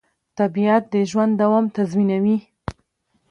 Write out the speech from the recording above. طبیعت د ژوند دوام تضمینوي